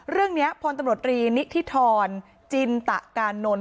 เรื่องนี้พลตำรวจรีนิธิธรจินตะการนล